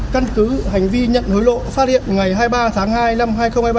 căn cứ hành vi nhận hối lộ phát hiện ngày hai mươi ba tháng hai năm hai nghìn hai mươi ba